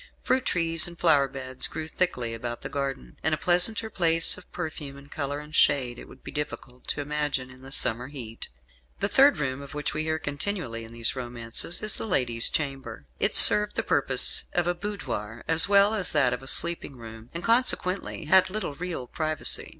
Fruit trees and flower beds grew thickly about the garden, and a pleasanter place of perfume and colour and shade it would be difficult to imagine in the summer heat. The third room of which we hear continually in these romances is the lady's chamber. It served the purpose of a boudoir as well as that of a sleeping room, and consequently had little real privacy.